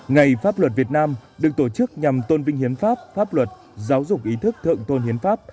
ngày pháp luật việt nam được tổ chức nhằm tôn vinh hiến pháp pháp luật giáo dục ý thức thượng tôn hiến pháp